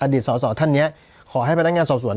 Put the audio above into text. อดีตสอสอท่านเนี่ยขอให้พนักงานสอบส่วน